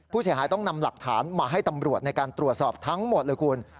ผู้เสียหายต้องนำหลักฐานมาให้ตำรวจในการตรวจสอบทั้งหมดเลยคุณ